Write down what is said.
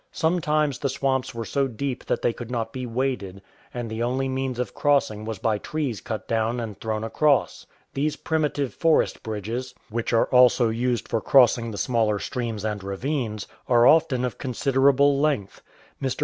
Sometimes the swamps were so deep that they could not be waded, and the only means of crossing was by trees cut down and thrown across. These primitive forest bridges, which are also used for crossing the smaller streams and ravines, are often of considerable length. Mr.